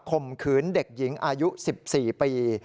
มขืนเด็กหญิงอายุ๑๔ปี